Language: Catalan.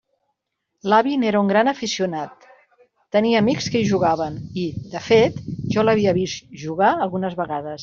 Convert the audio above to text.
L'avi n'era un gran aficionat; tenia amics que hi jugaven i, de fet, jo l'havia vist jugar algunes vegades.